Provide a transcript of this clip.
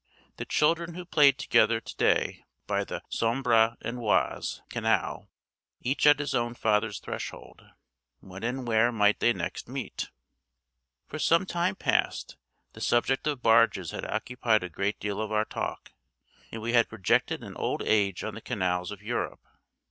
The children who played together to day by the Sambre and Oise Canal, each at his own father's threshold, when and where might they next meet? For some time past the subject of barges had occupied a great deal of our talk, and we had projected an old age on the canals of Europe.